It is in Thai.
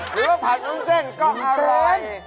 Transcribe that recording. หรือว่าผัดวุ้นเส้นก็อร่อย